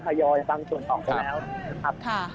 ถยอยตั้งส่วนก็แล้วนะครับ